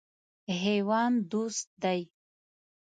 حیوان دوست دی.